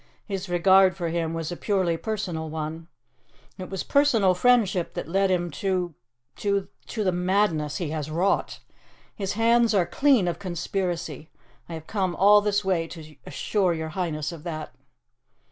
His regard for him was a purely personal one. It was personal friendship that led him to to the madness he has wrought. His hands are clean of conspiracy. I have come all this way to assure your Highness of that."